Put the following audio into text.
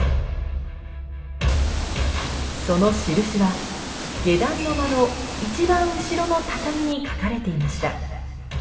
その印は下段の間の一番後ろの畳に描かれていました。